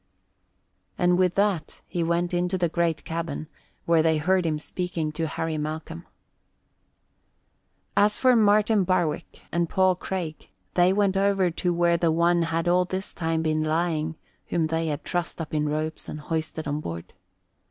And with that, he went into the great cabin, where they heard him speaking to Harry Malcolm. As for Martin Barwick and Paul Craig, they went over to where the one had all this time been lying whom they had trussed up in ropes and hoisted on board.